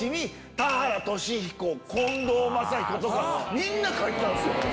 みんな書いてたんすよ。